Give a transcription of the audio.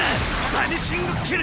「バニシング・キル」！